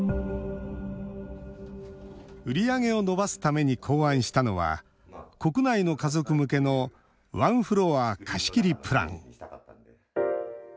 売り上げを伸ばすために考案したのは国内の家族向けのワンフロア貸し切りプラン。